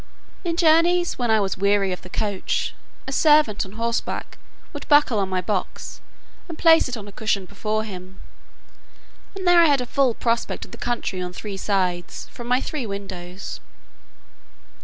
In journeys, when I was weary of the coach, a servant on horseback would buckle on my box, and place it upon a cushion before him; and there I had a full prospect of the country on three sides, from my three windows.